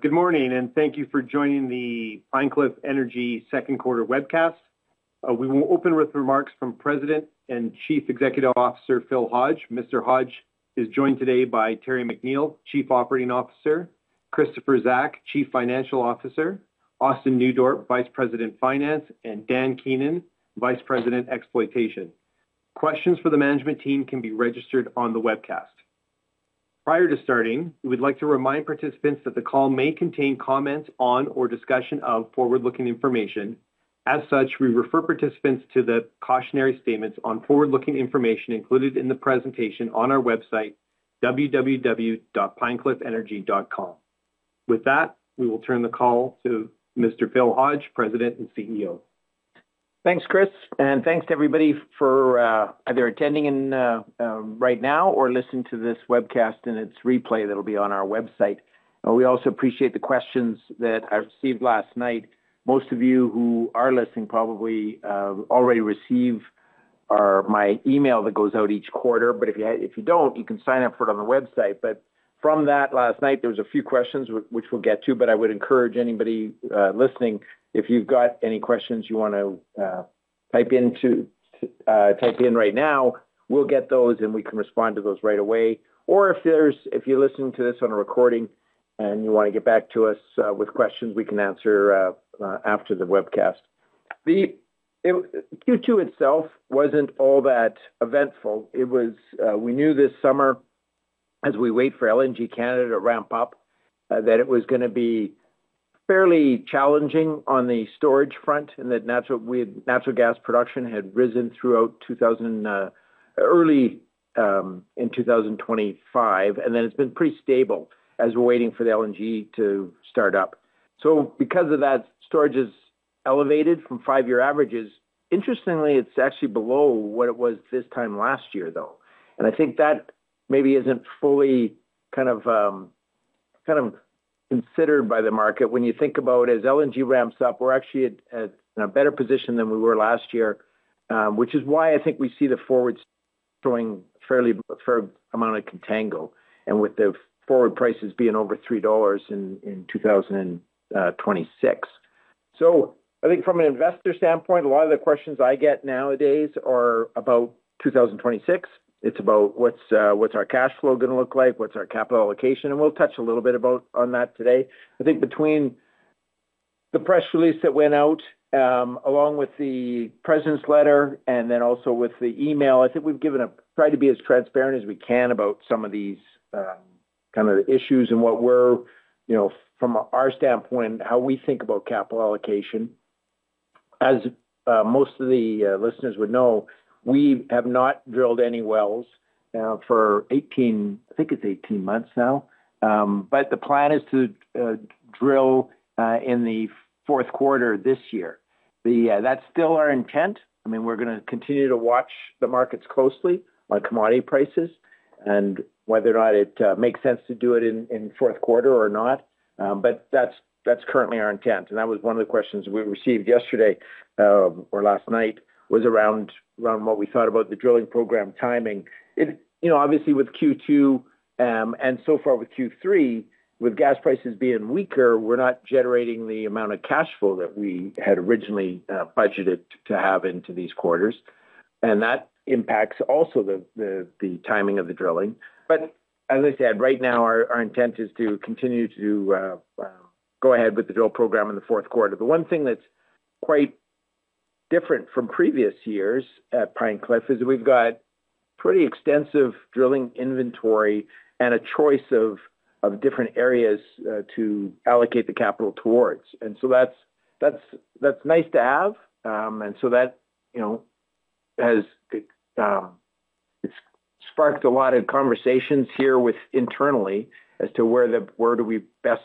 Good morning and thank you for joining the Pine Cliff Energy second quarter webcast. We will open with remarks from President and Chief Executive Officer Philip Hodge. Mr. Hodge is joined today by Terry McNeill, Chief Operating Officer, Christopher Zack, Chief Financial Officer, Austin Neudorf, Vice President Finance, and Dan Keenan, Vice President Exploitation. Questions for the management team can be registered on the webcast. Prior to starting, we'd like to remind participants that the call may contain comments on or discussion of forward-looking information. As such, we refer participants to the cautionary statements on forward-looking information included in the presentation on our website, www.pinecliffenergy.com. With that, we will turn the call to Mr. Philip Hodge, President and CEO. Thanks, Chris, and thanks to everybody for either attending right now or listening to this webcast and its replay that will be on our website. We also appreciate the questions that I received last night. Most of you who are listening probably already received my email that goes out each quarter, but if you don't, you can sign up for it on the website. From that last night, there were a few questions, which we'll get to. I would encourage anybody listening, if you've got any questions you want to type in right now, we'll get those and we can respond to those right away. If you're listening to this on a recording and you want to get back to us with questions, we can answer after the webcast. The Q2 itself wasn't all that eventful. We knew this summer, as we wait for LNG Canada to ramp up, that it was going to be fairly challenging on the storage front and that natural gas production had risen throughout early in 2025, and then it's been pretty stable as we're waiting for the LNG to start up. Because of that, storage has elevated from five-year averages. Interestingly, it's actually below what it was this time last year, though. I think that maybe isn't fully kind of considered by the market when you think about it as LNG ramps up. We're actually in a better position than we were last year, which is why I think we see the forwards showing a fair amount of contango, and with the forward prices being over $3 in 2026. I think from an investor standpoint, a lot of the questions I get nowadays are about 2026. It's about what's our cash flow going to look like, what's our capital allocation, and we'll touch a little bit on that today. I think between the press release that went out, along with the President's letter, and then also with the email, I think we've tried to be as transparent as we can about some of these kind of issues and what we're, you know, from our standpoint, how we think about capital allocation. As most of the listeners would know, we have not drilled any wells for 18, I think it's 18 months now, but the plan is to drill in the fourth quarter this year. That's still our intent. I mean, we're going to continue to watch the markets closely on commodity prices and whether or not it makes sense to do it in the fourth quarter or not, but that's currently our intent. That was one of the questions we received yesterday or last night was around what we thought about the drilling program timing. You know, obviously with Q2 and so far with Q3, with gas prices being weaker, we're not generating the amount of cash flow that we had originally budgeted to have into these quarters, and that impacts also the timing of the drilling. As I said, right now our intent is to continue to go ahead with the drill program in the fourth quarter. The one thing that's quite different from previous years at Pine Cliff Energy is that we've got pretty extensive drilling inventory and a choice of different areas to allocate the capital towards. That's nice to have. That has sparked a lot of conversations here internally as to where do we best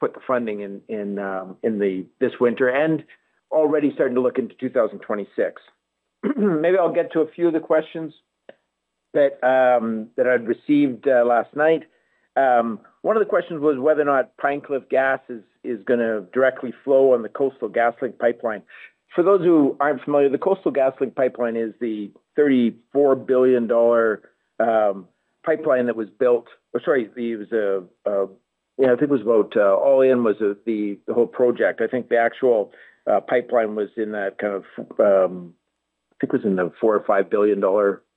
put the funding in this winter and already starting to look into 2026. Maybe I'll get to a few of the questions that I received last night. One of the questions was whether or not Pine Cliff Energy gas is going to directly flow on the Coastal GasLink pipeline. For those who aren't familiar, the Coastal GasLink pipeline is the $34 billion pipeline that was built. Sorry, I think it was about all in was the whole project. I think the actual pipeline was in that kind of, I think it was in the $4 or $5 billion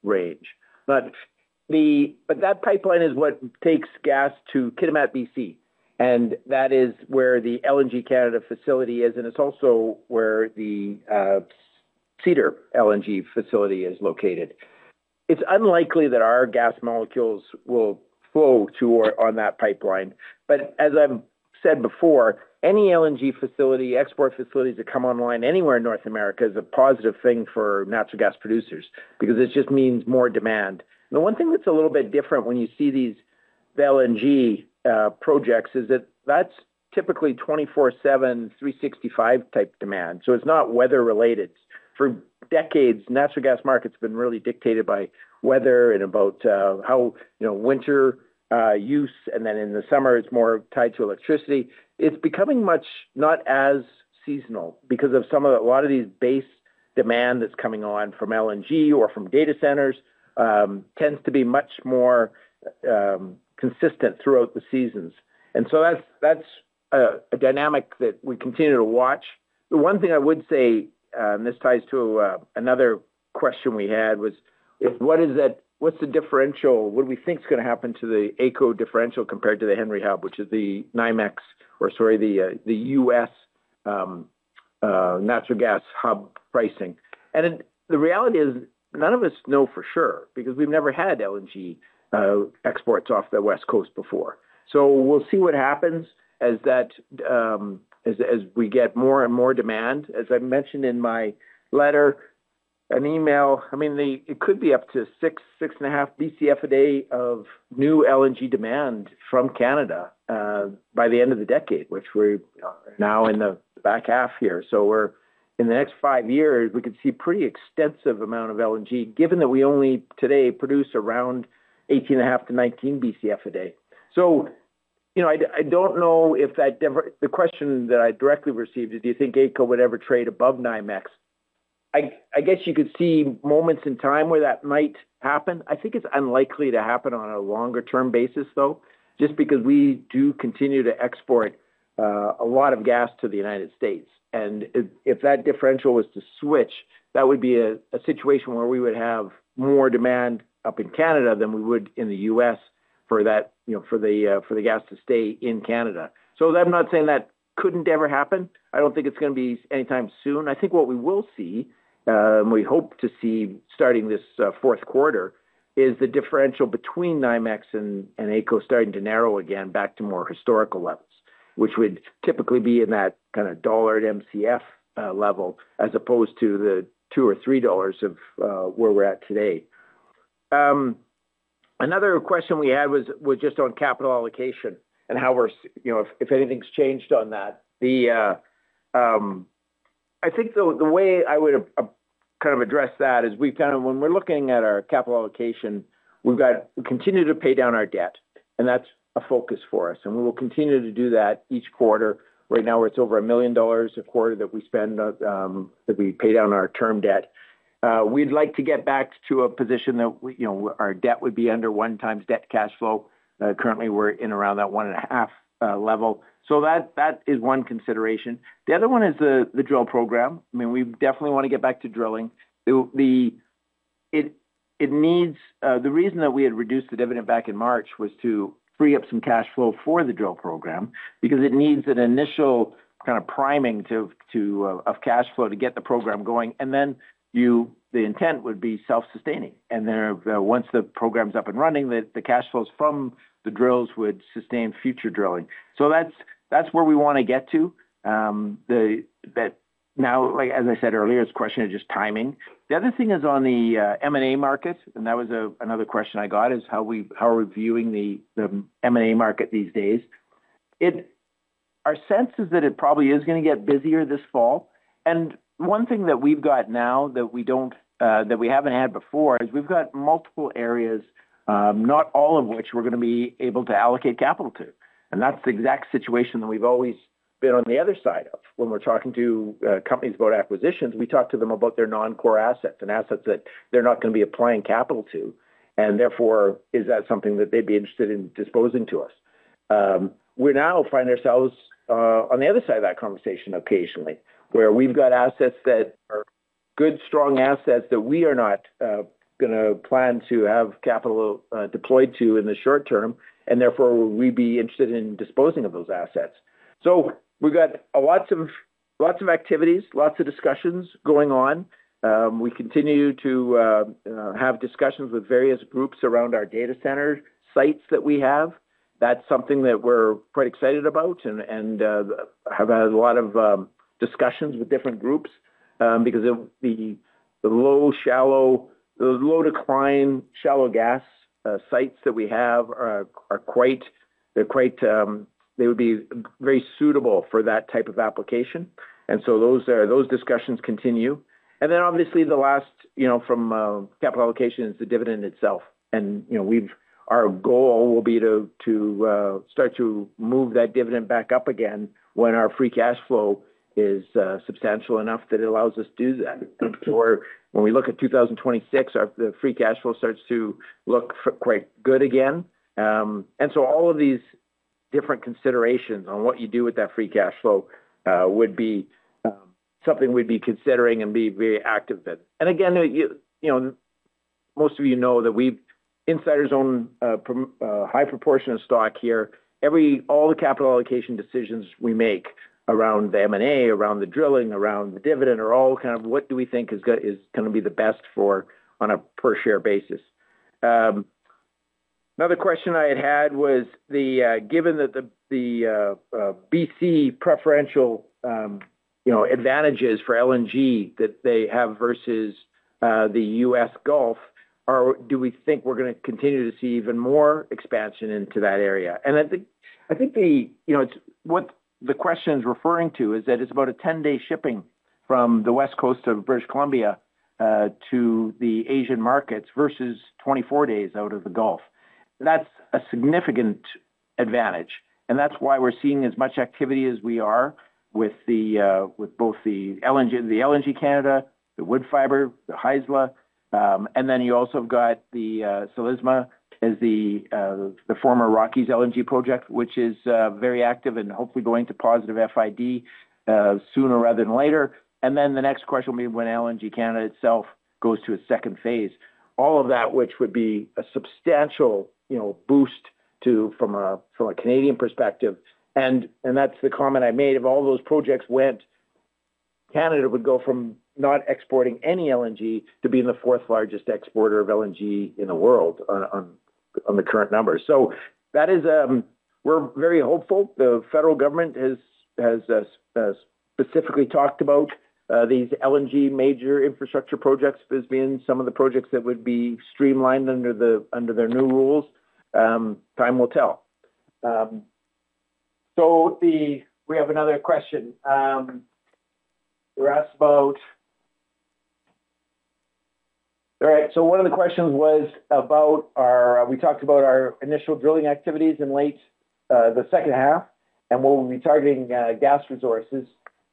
range. That pipeline is what takes gas to Kitimat, British Columbia, and that is where the LNG Canada facility is, and it's also where the Cedar LNG facility is located. It's unlikely that our gas molecules will flow on that pipeline, but as I've said before, any LNG facility, export facility to come online anywhere in North America is a positive thing for natural gas producers because it just means more demand. The one thing that's a little bit different when you see these LNG projects is that that's typically 24/7, 365 type demand. It's not weather related. For decades, the natural gas market's been really dictated by weather and about how, you know, winter use, and then in the summer it's more tied to electricity. It's becoming much not as seasonal because of some of a lot of these base demand that's coming on from LNG or from data centers tends to be much more consistent throughout the seasons. That's a dynamic that we continue to watch. The one thing I would say, and this ties to another question we had, was what is that, what's the differential, what do we think's going to happen to the AECO-Henry Hub price differential, which is the NYMEX, or sorry, the U.S. natural gas hub pricing? The reality is none of us know for sure because we've never had LNG exports off the West Coast before. We'll see what happens as we get more and more demand. As I mentioned in my letter and email, it could be up to 6, 6.5 Bcf a day of new LNG demand from Canada by the end of the decade, which we're now in the back half here. In the next five years, we could see a pretty extensive amount of LNG, given that we only today produce around 18.5 to 19 Bcf a day. I don't know if that, the question that I directly received is, do you think AECO would ever trade above NYMEX? I guess you could see moments in time where that might happen. I think it's unlikely to happen on a longer-term basis, though, just because we do continue to export a lot of gas to the United States. If that differential was to switch, that would be a situation where we would have more demand up in Canada than we would in the U.S. for that, for the gas to stay in Canada. I'm not saying that couldn't ever happen. I don't think it's going to be anytime soon. I think what we will see, and we hope to see starting this fourth quarter, is the differential between NYMEX and AECO starting to narrow again back to more historical levels, which would typically be in that kind of $1 to Mcf level as opposed to the $2 or $3 of where we're at today. Another question we had was just on capital allocation and how we're, if anything's changed on that. I think the way I would kind of address that is we've kind of, when we're looking at our capital allocation, we've got to continue to pay down our debt, and that's a focus for us. We will continue to do that each quarter. Right now, it's over $1 million a quarter that we spend, that we pay down our term debt. We'd like to get back to a position that our debt would be under one times debt to cash flow. Currently, we're in around that 1.5 level. That is one consideration. The other one is the drill program. We definitely want to get back to drilling. The reason that we had reduced the dividend back in March was to free up some cash flow for the drill program because it needs an initial kind of priming of cash flow to get the program going. The intent would be self-sustaining, and then once the program's up and running, the cash flows from the drills would sustain future drilling. That's where we want to get to. Like I said earlier, it's a question of just timing. The other thing is on the M&A market, and that was another question I got: how are we viewing the M&A market these days? Our sense is that it probably is going to get busier this fall. One thing that we've got now that we haven't had before is we've got multiple areas, not all of which we're going to be able to allocate capital to. That's the exact situation that we've always been on the other side of when we're talking to companies about acquisitions. We talk to them about their non-core assets and assets that they're not going to be applying capital to. Therefore, is that something that they'd be interested in disposing to us? We're now finding ourselves on the other side of that conversation occasionally, where we've got assets that are good, strong assets that we are not going to plan to have capital deployed to in the short term. Therefore, would we be interested in disposing of those assets? We've got lots of activities, lots of discussions going on. We continue to have discussions with various groups around our data center sites that we have. That's something that we're quite excited about and have had a lot of discussions with different groups because the low decline shallow gas sites that we have are quite, they're quite, they would be very suitable for that type of application. Those discussions continue. Obviously, the last, you know, from capital allocation is the dividend itself. Our goal will be to start to move that dividend back up again when our free cash flow is substantial enough that it allows us to do that. When we look at 2026, the free cash flow starts to look quite good again. All of these different considerations on what you do with that free cash flow would be something we'd be considering and be very active in. Most of you know that insiders own a high proportion of stock here. All the capital allocation decisions we make around the M&A, around the drilling, around the dividend are all kind of what do we think is going to be the best for on a per share basis. Another question I had was given that the BC preferential advantages for LNG that they have versus the U.S. Gulf, do we think we're going to continue to see even more expansion into that area? I think what the question is referring to is that it's about a 10-day shipping from the West Coast of British Columbia to the Asian markets versus 24 days out of the Gulf. That's a significant advantage. That's why we're seeing as much activity as we are with both LNG Canada, Woodfibre LNG, the Haisla, and then you also have got SaliSma as the former Rockies LNG project, which is very active and hopefully going to positive FID sooner rather than later. The next question will be when LNG Canada itself goes to its second phase. All of that, which would be a substantial boost from a Canadian perspective. That's the comment I made. If all those projects went, Canada would go from not exporting any LNG to being the fourth largest exporter of LNG in the world on the current numbers. That is, we're very hopeful. The federal government has specifically talked about these LNG major infrastructure projects as being some of the projects that would be streamlined under their new rules. Time will tell. We have another question. We're asked about, all right, so one of the questions was about our, we talked about our initial drilling activities in late the second half and when we'll be targeting gas resources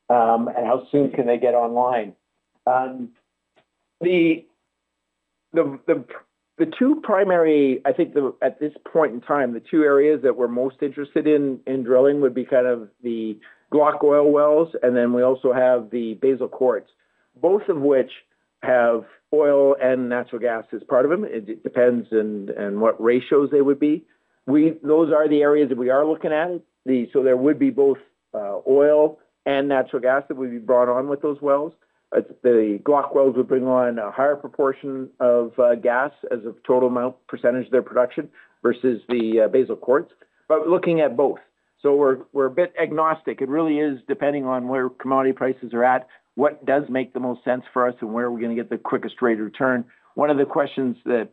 and how soon can they get online. The two primary, I think at this point in time, the two areas that we're most interested in drilling would be kind of the Glauconite oil wells and then we also have the Basal Quartz, both of which have oil and natural gas as part of them. It depends on what ratios they would be. Those are the areas that we are looking at. There would be both oil and natural gas that would be brought on with those wells. The Glauconite wells would bring on a higher proportion of gas as a total amount percentage of their production versus the Basal Quartz, but looking at both. We're a bit agnostic. It really is depending on where commodity prices are at, what does make the most sense for us and where are we going to get the quickest rate of return. One of the questions that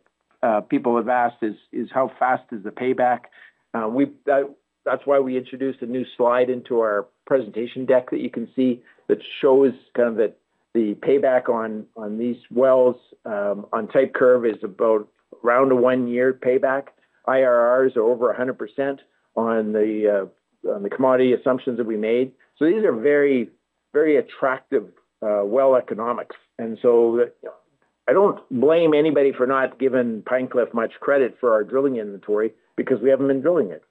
people have asked is how fast is the payback. That's why we introduced a new slide into our presentation deck that you can see that shows kind of that the payback on these wells on type curve is about around a one-year payback. IRRs are over 100% on the commodity assumptions that we made. These are very, very attractive well economics. I don't blame anybody for not giving Pine Cliff much credit for our drilling inventory because we haven't been drilling it.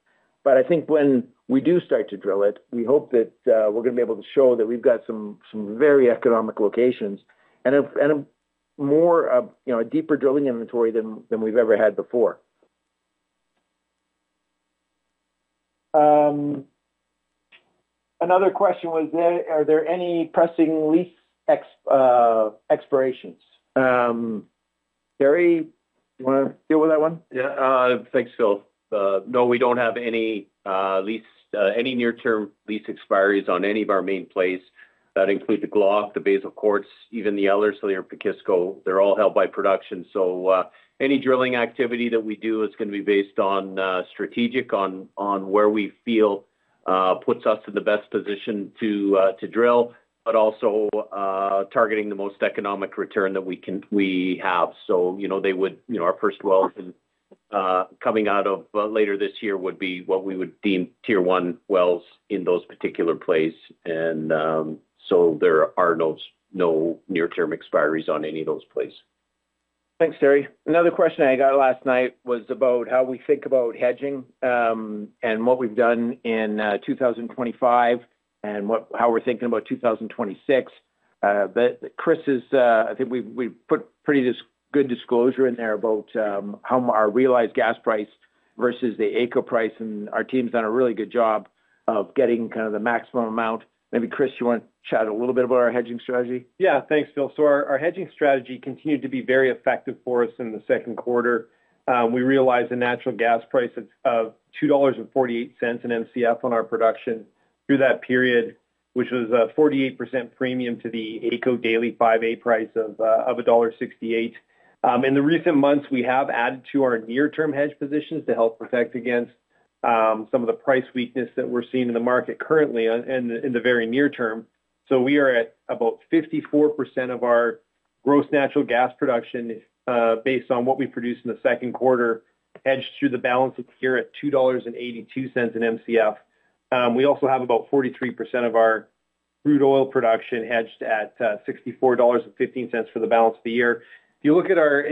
I think when we do start to drill it, we hope that we're going to be able to show that we've got some very economic locations and a deeper drilling inventory than we've ever had before. Another question was, are there any pressing lease expirations? Terry, you want to deal with that one? Yeah, thanks, Phil. No, we don't have any near-term lease expiry on any of our main plays that include the Glauconite, the Basal Quartz, even the Ellerslie or the Pekisko. They're all held by production. Any drilling activity that we do is going to be based on strategic on where we feel puts us in the best position to drill, but also targeting the most economic return that we have. Our first well coming out of later this year would be what we would deem tier one wells in those particular plays. There are no near-term expiry on any of those plays. Thanks, Terry. Another question I got last night was about how we think about hedging and what we've done in 2025 and how we're thinking about 2026. Chris, I think we put pretty good disclosure in there about how our realized gas price versus the AECO price, and our team's done a really good job of getting kind of the maximum amount. Maybe Chris, you want to chat a little bit about our hedging strategy? Yeah, thanks, Phil. Our hedging strategy continued to be very effective for us in the second quarter. We realized a natural gas price of $2.48 per Mcf on our production through that period, which was a 48% premium to the AECO daily 5A price of $1.68. In recent months, we have added to our near-term hedge positions to help protect against some of the price weakness that we're seeing in the market currently and in the very near term. We are at about 54% of our gross natural gas production, based on what we produced in the second quarter, hedged through the balance of the year at $2.82 per Mcf. We also have about 43% of our crude oil production hedged at $64.15 for the balance of the year. If you look at our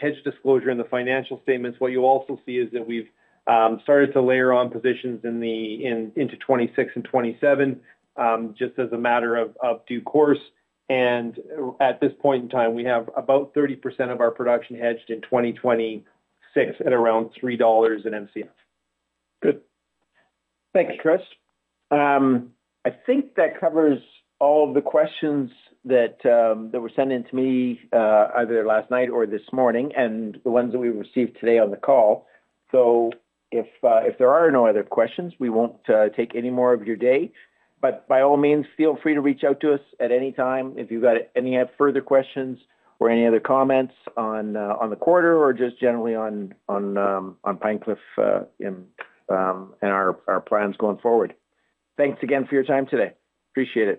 hedge disclosure in the financial statements, you'll also see that we've started to layer on positions into 2026 and 2027 just as a matter of due course. At this point in time, we have about 30% of our production hedged in 2026 at around $3 per Mcf. Good. Thanks, Chris. I think that covers all of the questions that were sent in to me either last night or this morning and the ones that we received today on the call. If there are no other questions, we won't take any more of your day. By all means, feel free to reach out to us at any time if you've got any further questions or any other comments on the quarter or just generally on Pine Cliff Energy and our plans going forward. Thanks again for your time today. Appreciate it.